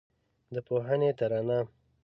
د پوهنې ترانه